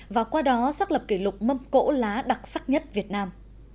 và qua đó xác lập kỷ lục mâm cỗ lá đặc sắc nhất việt nam